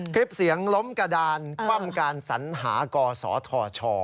คลิปเสียงล้มกระดานความการสัญหาก่อสอทช